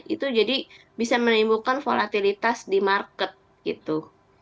itu jadi bisa menimbulkan volatilitas di market gitu